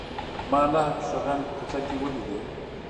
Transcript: ما نهه پیشوګانې په کوڅه کې ولیدې.